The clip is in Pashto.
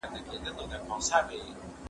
زه به اوږده موده مېوې خوړلې وم!